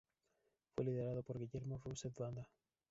Fue liderado por Guillermo Rousset Banda.